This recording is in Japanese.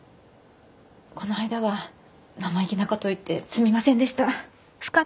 この間は生意気なことを言ってすみませんでした。